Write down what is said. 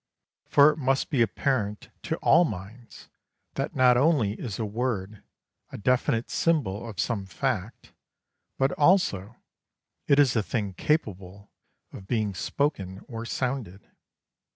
For it must be apparent to all minds that not only is a word a definite symbol of some fact, but also it is a thing capable of being spoken or sounded.